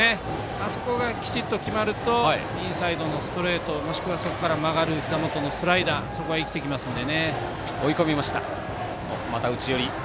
あそこがきちっと決まるとインサイドのストレートもしくは、そこから曲がるひざ元のスライダーが生きてきますので。